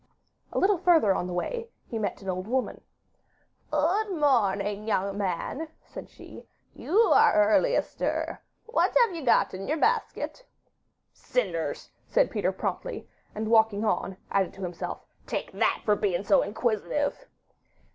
A little further on the way he met an old woman. 'Good morning, young man,' said she; 'you are early astir. What have you got in your basket?' 'Cinders,' said Peter promptly, and walked on, adding to himself, 'Take that for being so inquisitive.